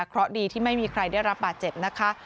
เพราะดีที่ไม่มีใครได้รับบาดเจ็บนะคะ